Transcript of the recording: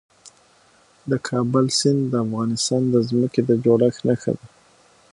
د کابل سیند د افغانستان د ځمکې د جوړښت نښه ده.